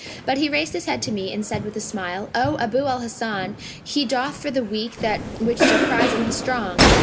But he raised his head to me and said with a smile, 'O Abu al Hasan, He doth for the weak that which surpriseth the strong!'